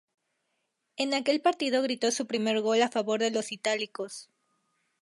En aquel partido gritó su primer gol a favor de los itálicos.